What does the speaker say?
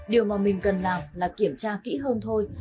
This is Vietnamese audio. điều mà mình cần làm là kiểm tra kỹ hơn thôi